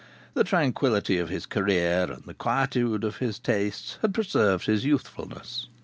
The tranquillity of his career and the quietude of his tastes had preserved his youthfulness.